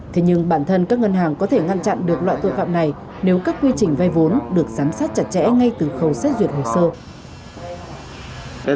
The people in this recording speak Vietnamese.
thế nhưng bản thân các ngân hàng có thể ngăn chặn được loại tội phạm này nếu các quy trình vay vốn được giám sát chặt chẽ ngay từ khâu xét duyệt hồ sơ